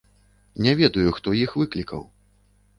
Не ведаю, хто іх выклікаў.